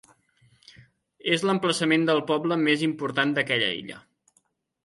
És l'emplaçament del poble més important d'aquella illa.